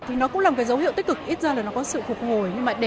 thì nó cũng là một cái dấu hiệu tích cực ít ra là nó có sự phục hồi